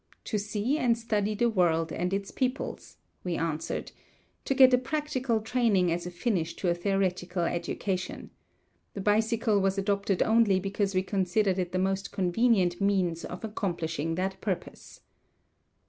"To see and study the world and its peoples," we answered; "to get a practical training as a finish to a theoretical education. The bicycle was adopted only because we considered it the most convenient means of accomplishing that purpose."